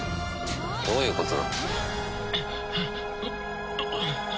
どういうことだ？